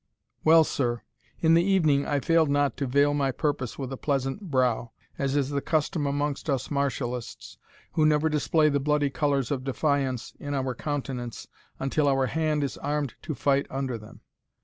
Well, sir In the evening, I failed not to veil my purpose with a pleasant brow, as is the custom amongst us martialists, who never display the bloody colours of defiance in our countenance until our hand is armed to fight under them.